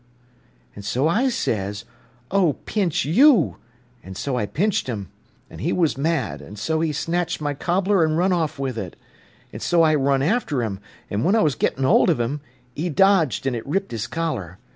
An' so I says: 'Oh, Pinch you,' an' so I pinched 'im, an' 'e was mad, an' so he snatched my cobbler an' run off with it. An' so I run after 'im, an' when I was gettin' hold of him, 'e dodged, an' it ripped 'is collar.